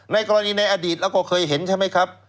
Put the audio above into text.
ในกรณีในอดีตเราก็เคยเห็นใช่ไหมครับ